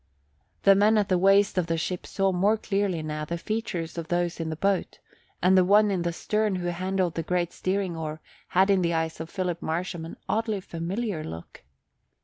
The men at the waist of the ship saw more clearly, now, the features of those in the boat, and the one in the stern who handled the great steering oar had in the eyes of Philip Marsham an oddly familiar look.